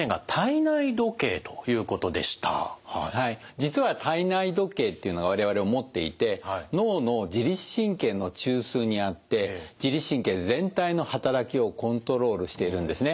実は体内時計っていうのを我々は持っていて脳の自律神経の中枢にあって自律神経全体の働きをコントロールしているんですね。